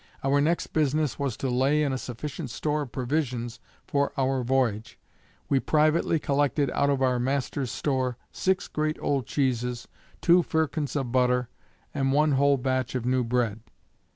Our next business was to lay in a sufficient store of provisions for our voyage. We privately collected out of our master's store, six great old cheeses, two firkins of butter, and one whole batch of new bread.